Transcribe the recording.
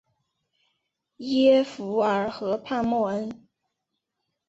耶弗尔河畔默恩。